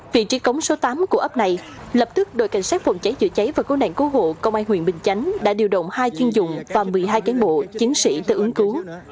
vị trí cống số tám của ấp này lập tức đội cảnh sát phòng cháy chữa cháy và cứu nạn cứu hộ công an huyện bình chánh đã điều động hai chuyên dụng và một mươi hai cán bộ chiến sĩ tự ứng cứu